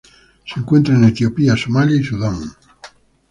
Se encuentra en Etiopía, Somalia y Sudán.